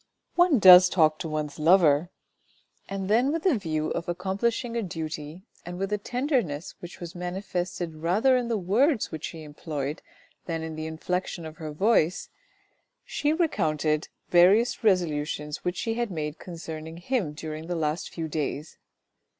One does talk to one's lover. And then with a view of accomplishing a duty, and with a tenderness which was manifested rather in the words which she employed than in the inflection of her voice, she recounted 350 THE RED AND THE BLACK various resolutions which she had made concerning him during the last few days.